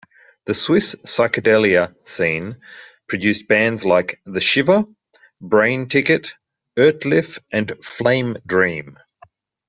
The Swiss psychedelia scene produced bands like The Shiver, Brainticket, Ertlif and Flame Dream.